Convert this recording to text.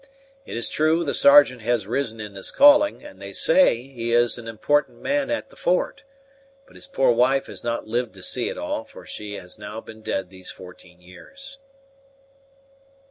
It is true, the Sergeant has risen in his calling, and they say he is an important man at the fort; but his poor wife has not lived to see it all, for she has now been dead these fourteen years."